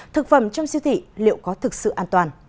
thực phẩm trong siêu thị liệu có thực sự an toàn